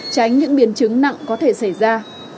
tránh những biến chứng nặng có thể xảy ra